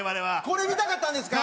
これ見たかったんですか？